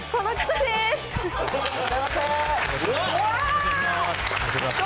いらっしゃいませ。